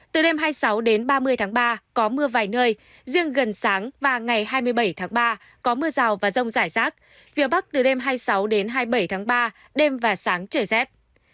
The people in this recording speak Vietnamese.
từ đêm hai mươi sáu đến ba mươi tháng ba có mưa vài nơi riêng gần sáng và ngày hai mươi bảy tháng ba có mưa rào và rông rải rác phía bắc từ đêm hai mươi sáu đến hai mươi bảy tháng ba đêm và sáng trời rét